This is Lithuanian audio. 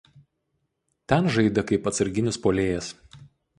Ten žaidė kaip atsarginis puolėjas.